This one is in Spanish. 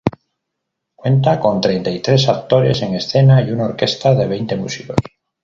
Cuenta con treinta y tres actores en escena y una orquesta de veinte músicos.